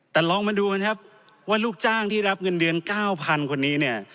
แต่ลองมาดูกันครับว่าลูกจ้างที่รับเงินเดือน๙๐๐คนนี้เนี่ย